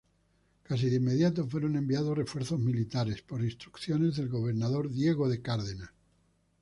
Casi de inmediato fueron enviados refuerzos militares por instrucciones del gobernador Diego de Cárdenas.